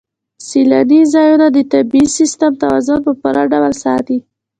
سیلاني ځایونه د طبعي سیسټم توازن په پوره ډول ساتي.